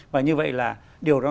và như vậy là điều đó